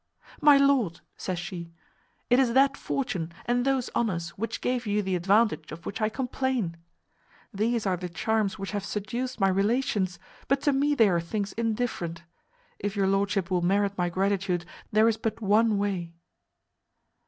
"My lord," says she, "it is that fortune and those honours which gave you the advantage of which I complain. These are the charms which have seduced my relations, but to me they are things indifferent. If your lordship will merit my gratitude, there is but one way."